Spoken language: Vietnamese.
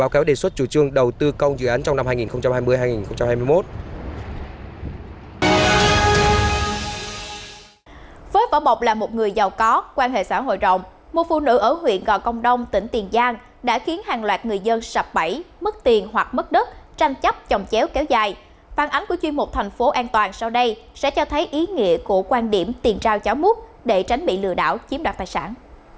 của quan điểm tiền trao cháu mút để tránh bị lừa đảo chiếm đoạt tài sản